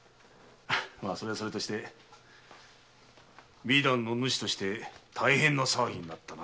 それはそれとして美談の主として大変な騒ぎになったな。